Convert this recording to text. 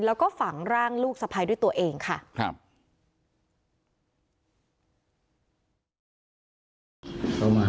แล้วก็ฝังร่างลูกสะพ้ายด้วยตัวเองค่ะครับ